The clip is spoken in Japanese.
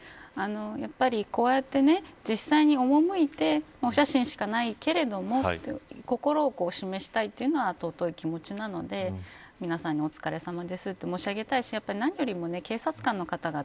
やっぱりこうやって、実際に赴いてお写真しかないけれども心を示したいというのは尊い気持ちなので皆さんにお疲れさまですと申し上げたいし何よりも警察の方々